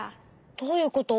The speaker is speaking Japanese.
どういうこと？